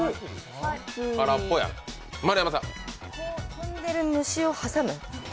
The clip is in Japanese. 飛んでる虫を挟む。